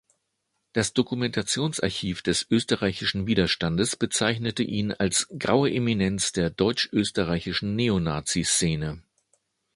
Das Dokumentationsarchiv des österreichischen Widerstandes bezeichnete ihn als „graue Eminenz der deutsch-österreichischen Neonazi-Szene“.